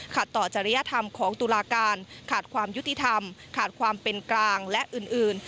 ต่อจริยธรรมของตุลาการขาดความยุติธรรมขาดความเป็นกลางและอื่น